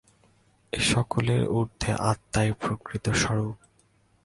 এ-সকলের ঊর্ধ্বে আত্মাই প্রকৃত স্বরূপ।